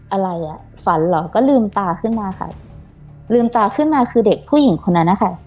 อะไรอ่ะฝันเหรอก็ลืมตาขึ้นมาค่ะลืมตาขึ้นมาคือเด็กผู้หญิงคนนั้นนะคะ